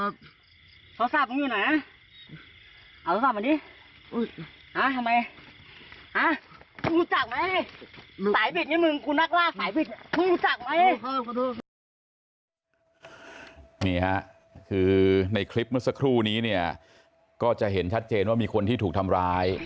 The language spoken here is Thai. นี่ฮะคือในคลิปเมื่อสักครู่นี้เนี่ยก็จะเห็นชัดเจนว่ามีคนที่ถูกทำร้าย